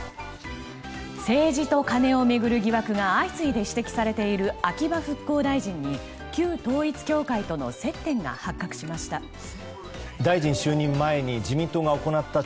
政治とカネを巡る疑惑が相次いで指摘されている秋葉復興大臣に旧統一教会との接点が発覚しました。